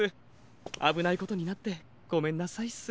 あぶないことになってごめんなさいっす。